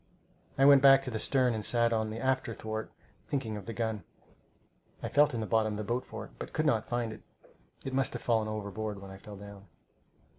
I went back to the stern and sat on the after thwart, thinking of the gun. I felt in the bottom of the boat for it, but could not find it. It must have fallen overboard when I fell down.